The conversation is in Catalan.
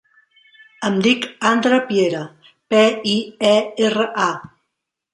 Em dic Andra Piera: pe, i, e, erra, a.